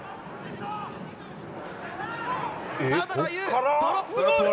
田村優、ドロップゴール。